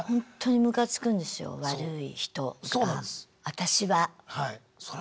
私は。